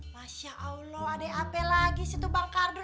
masya allah ada apa lagi sih itu bang kardun